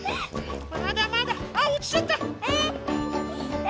まだまだあおちちゃった。